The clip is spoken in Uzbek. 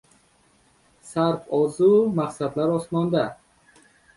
• Sarf ozu, maqsadlar osmonda.